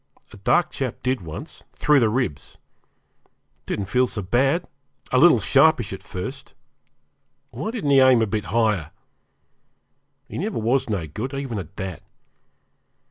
A dark chap did once through the ribs it didn't feel so bad, a little sharpish at first; why didn't he aim a bit higher? He never was no good, even at that.